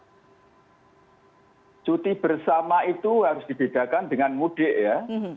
jadi cuti bersama itu harus dibedakan dengan mudik ya